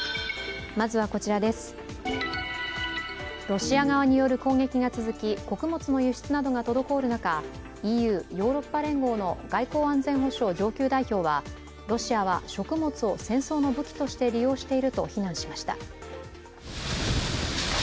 ロシア側による攻撃が続き穀物の輸出などが滞る中、ＥＵ＝ヨーロッパ連合の外交安全保障上級代表はロシアは食物を戦争の武器として利用していると非難しました。